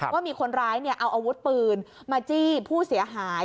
ว่ามีคนร้ายเอาอาวุธปืนมาจี้ผู้เสียหาย